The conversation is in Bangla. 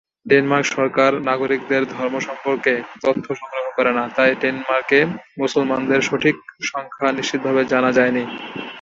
ডেনমার্ক সরকার নাগরিকদের ধর্ম সম্পর্কে তথ্য সংগ্রহ করে না তাই ডেনমার্কে মুসলমানদের সঠিক সংখ্যা নিশ্চিতভাবে জানা যায়নি।